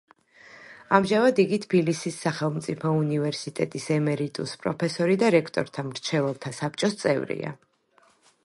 ამჟამად იგი თბილისის სახელმწიფო უნივერსიტეტის ემერიტუს-პროფესორი და რექტორთა მრჩეველთა საბჭოს წევრია.